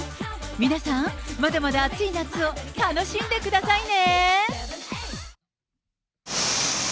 皆さん、まだまだ暑い夏を楽しんでくださいね。